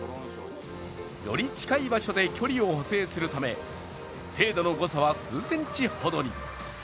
より近い場所で距離を補正するため、精度の誤差は数センチほどに。